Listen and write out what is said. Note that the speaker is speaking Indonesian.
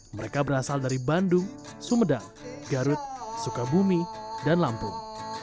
mereka berasal dari bandung sumedang garut sukabumi dan lampung